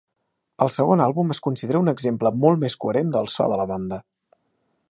El segon àlbum es considera un exemple molt més coherent del so de la banda.